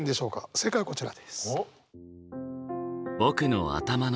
正解はこちらです。